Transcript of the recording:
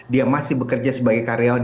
dia masih bekerja sebagai karyawan